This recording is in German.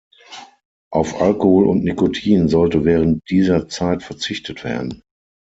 Auf Alkohol und Nikotin sollte während dieser Zeit verzichtet werden.